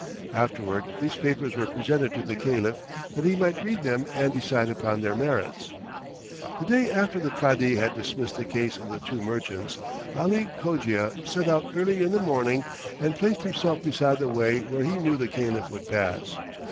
Afterward these papers were presented to the Caliph that he might read them and decide upon their merits. The day after the Cadi had dismissed the case of the two merchants, Ali Cogia set out early in the morning and placed himself beside the way where he knew the Caliph would pass.